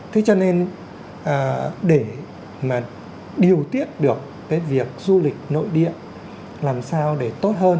thế cho nên để mà điều tiết được cái việc du lịch nội địa làm sao để tốt hơn